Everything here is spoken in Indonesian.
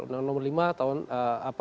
undang nomor lima tahun apa sembilan puluh lima